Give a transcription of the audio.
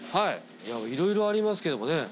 いろいろありますけどもね。